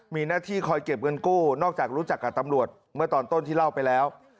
มีหน้าที่คอยเก็บเงินกู้นอกจากรู้จักกับตำรวจเมื่อตอนต้นที่เล่าไปแล้ว